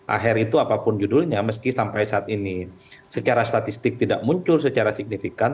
akhir itu apapun judulnya meski sampai saat ini secara statistik tidak muncul secara signifikan